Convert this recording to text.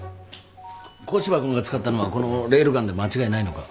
古芝君が使ったのはこのレールガンで間違いないのか？